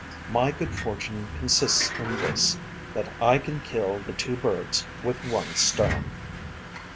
My good fortune consists in this, that I can kill the two birds with one stone."